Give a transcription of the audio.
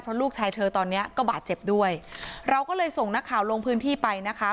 เพราะลูกชายเธอตอนเนี้ยก็บาดเจ็บด้วยเราก็เลยส่งนักข่าวลงพื้นที่ไปนะคะ